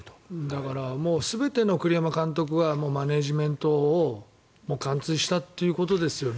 だから、全て、栗山監督はマネジメントを完遂したということですよね。